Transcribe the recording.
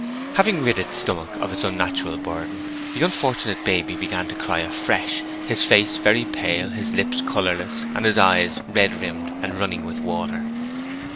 Having rid his stomach of this unnatural burden, the unfortunate baby began to cry afresh, his face very pale, his lips colourless, and his eyes red rimmed and running with water.